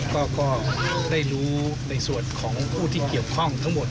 ก็ได้รู้ในส่วนของผู้ที่เกี่ยวข้องทั้งหมด